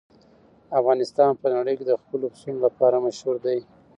افغانستان په نړۍ کې د خپلو پسونو لپاره مشهور دی.